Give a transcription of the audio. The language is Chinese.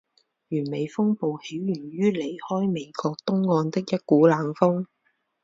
完美风暴起源于离开美国东岸的一股冷锋。